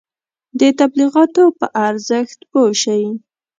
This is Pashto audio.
د تبلیغاتو په ارزښت پوه شئ.